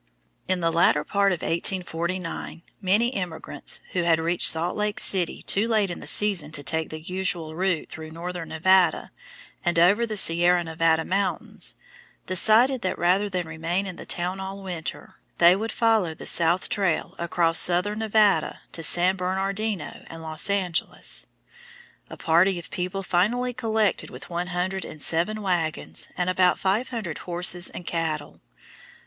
In the latter part of 1849 many emigrants, who had reached Salt Lake City too late in the season to take the usual route through northern Nevada and over the Sierra Nevada mountains, decided that rather than remain in the town all winter, they would follow the south trail across southern Nevada to San Bernardino and Los Angeles. A party of people finally collected with one hundred and seven wagons and about five hundred horses and cattle.